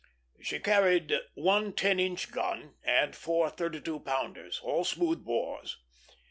She carried one ten inch gun and four 32 pounders, all smooth bores.